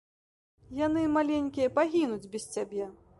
Яны, маленькія, пагінуць без цябе!